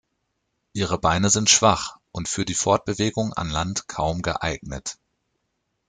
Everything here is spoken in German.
Ihre Beine sind schwach und für die Fortbewegung an Land kaum geeignet.